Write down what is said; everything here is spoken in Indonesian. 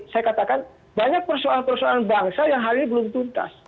saya katakan banyak persoalan persoalan bangsa yang hari ini belum tuntas